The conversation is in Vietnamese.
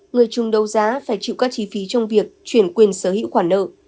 người chung đấu giá phải chịu các chi phí trong việc chuyển quyền sở hữu khoản nợ